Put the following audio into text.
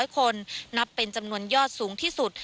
๐คนนับเป็นจำนวนยอดสูงที่สุด